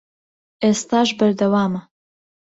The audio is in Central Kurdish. ئێستاش بەردەوامە